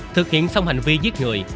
thực hiện xong hành vi giết người